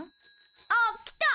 あっ来た！